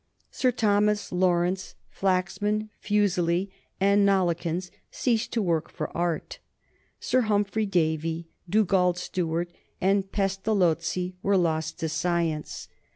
Sir Thomas Lawrence, Flaxman, Fuseli, and Nollekens ceased to work for art. Sir Humphry Davy, Dugald Stewart, and Pestalozzi were lost to science.